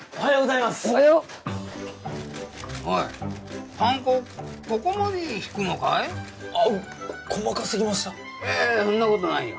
いやそんなことないよ